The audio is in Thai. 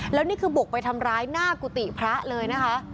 แล้วนี่คือบุกไปทำร้ายหน้ากุฏิพระเลยนะคะ